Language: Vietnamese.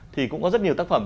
thì cũng có rất nhiều tác phẩm